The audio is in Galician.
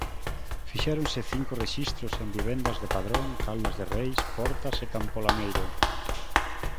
Fixéronse cinco rexistros en vivendas de Padrón, Caldas de Reis, Portas e Campo Lameiro.